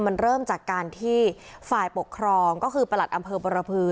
มันเริ่มจากการที่ฝ่ายปกครองก็คือประหลัดอำเภอบรพือ